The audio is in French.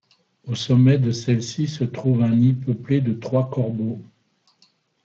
Au sommet de celle-ci se trouve un nid peuplé de trois corbeaux.